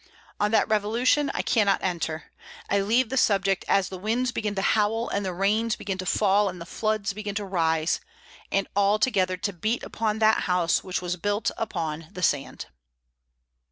On that Revolution I cannot enter. I leave the subject as the winds began to howl and the rains began to fall and the floods began to rise, and all together to beat upon that house which was built upon the sand.